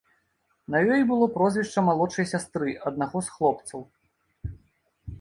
На ёй было прозвішча малодшай сястры аднаго з хлопцаў.